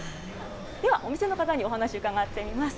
では、お店の方にお話伺ってみます。